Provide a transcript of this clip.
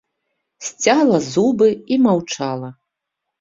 Сцяла зубы і маўчала.